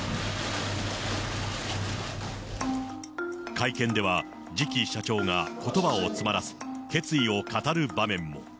会見では次期社長がことばを詰まらせ、決意を語る場面も。